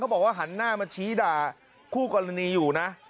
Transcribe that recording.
บอกว่าหันหน้ามาชี้ด่าคู่กรณีอยู่นะ